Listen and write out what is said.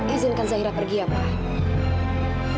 izinkan zahira pergi ya pak